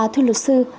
thưa luật sư